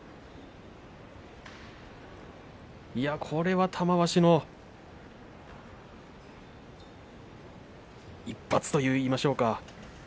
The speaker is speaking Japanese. これは玉鷲の一発といいましょうか。